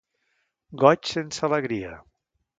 Goig sense alegria.